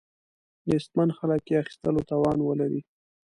نیستمن خلک یې اخیستلو توان ولري.